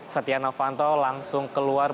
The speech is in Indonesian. setia novanto langsung keluar